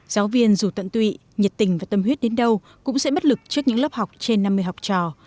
giáo viên dù tận tụy nhiệt tình và tâm huyết đến đâu cũng sẽ bất lực trước những lớp học trên năm mươi học trò